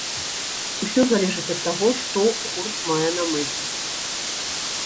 Усё залежыць ад таго, што гурт мае на мэце.